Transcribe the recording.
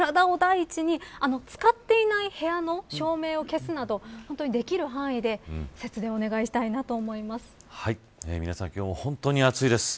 体を第一に使っていない部屋の照明を消すなどできる範囲で節電を皆さん、今日は本当に暑いです。